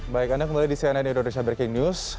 baik anda kembali di cnn indonesia breaking news